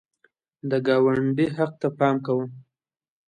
د ګاونډي حق ته پام کوه